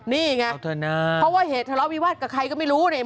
นี่ไงเพราะว่าเหตุทะเลาะวิวาสกับใครก็ไม่รู้เนี่ย